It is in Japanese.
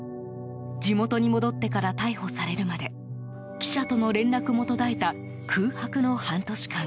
地元に戻ってから逮捕されるまで記者との連絡も途絶えた空白の半年間。